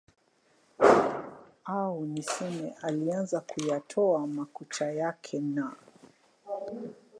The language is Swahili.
Au niseme alianza kuyatoa makucha yake na